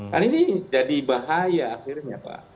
kan ini jadi bahaya akhirnya pak